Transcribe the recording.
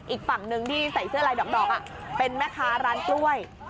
อีกฝั่งหนึ่งที่ใส่เสื้อลายดอกเป็นแม่ค้าร้านกล้วย